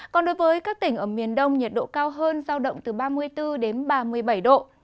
còn đối với các tỉnh ở miền đông nhiệt độ cao hơn giao động từ ba mươi bốn đến ba mươi bảy độ